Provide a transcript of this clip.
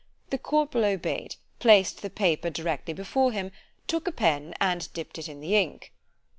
The corporal obeyed——placed the paper directly before him——took a pen, and dipp'd it in the ink.